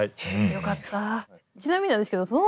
よかった。